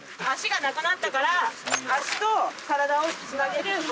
足がなくなったから足と体をつなげる。